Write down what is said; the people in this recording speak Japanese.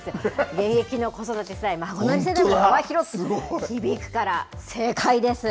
現役の子育て世代や、孫のいる世代まで、幅広く響くから、正解です。